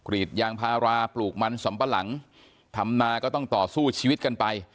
รีดยางพาราปลูกมันสำปะหลังทำนาก็ต้องต่อสู้ชีวิตกันไป